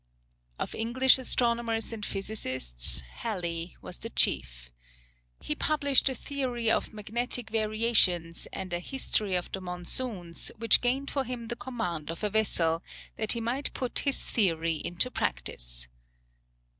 Of English astronomers and physicists, Hally was the chief. He published a theory of "Magnetic Variations," and a "History of the Monsoons," which gained for him the command of a vessel, that he might put his theory into practice.